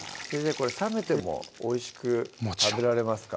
これ冷めてもおいしく食べられますか？